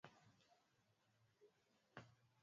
na alitaka kufahamu nini madhumuni